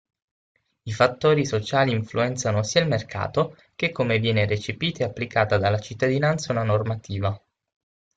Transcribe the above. I fattori sociali influenzano sia il mercato che come viene recepita e applicata dalla cittadinanza una normativa.